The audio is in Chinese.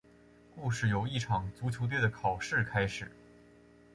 故事由一场足球队的考试开始。